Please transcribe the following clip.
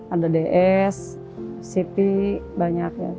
ada ds cp banyak ya